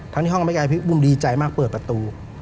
ทั้งที่ห้องกับไม่กายพี่อุ้มดีใจมากเปิดประตู